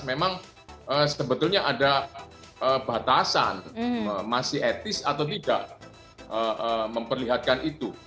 memang sebetulnya ada batasan masih etis atau tidak memperlihatkan itu